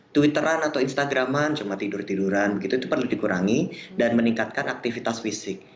twitteran atau instagraman cuma tidur tiduran gitu itu perlu dikurangi dan meningkatkan aktivitas fisik